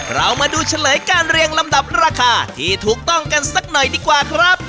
เรามาดูเฉลยการเรียงลำดับราคาที่ถูกต้องกันสักหน่อยดีกว่าครับ